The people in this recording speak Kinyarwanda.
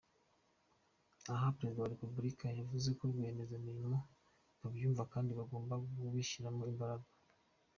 Aha Perezida wa Repubulika yavuze ko barwiyemezamirimo babyumva kandi bagomba kubishyiramo imbaraga.